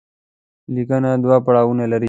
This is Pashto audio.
ليکنه دوه پړاوونه لري.